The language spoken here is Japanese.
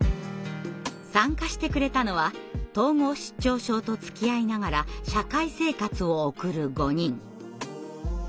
参加してくれたのは統合失調症とつきあいながら社会生活を送る５人。